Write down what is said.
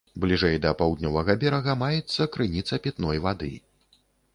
Бліжэй да паўднёвага берага, маецца крыніца пітной вады.